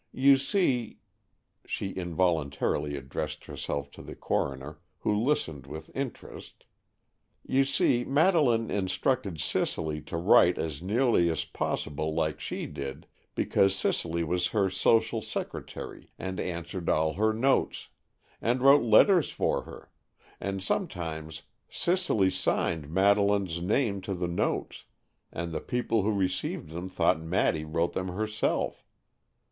You see"—she involuntarily addressed herself to the coroner, who listened with interest—"you see, Madeleine instructed Cicely to write as nearly as possible like she did, because Cicely was her social secretary and answered all her notes, and wrote letters for her, and sometimes Cicely signed Madeleine's name to the notes, and the people who received them thought Maddy wrote them herself.